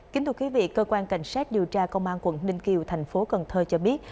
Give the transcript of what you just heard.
kính thưa quý vị cơ quan cảnh sát điều tra công an quận ninh kiều thành phố cần thơ cho biết